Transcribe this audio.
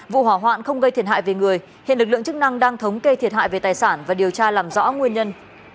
vụ hỏa hoạn không gây thiệt hại về người hiện lực lượng chức năng đang thống kê thiệt hại về tài sản và điều tra làm rõ nguyên nhân